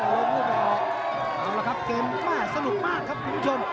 โอ้โหเอาละครับเกมแม่สนุกมากครับคุณผู้ชม